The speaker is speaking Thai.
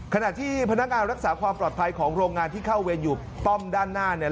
ขณะที่พนักงานรักษาความปลอดภัยของโรงงานที่เข้าเวรอยู่ป้อมด้านหน้าเนี่ย